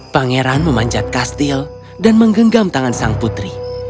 pangeran memanjat kastil dan menggenggam tangan sang putri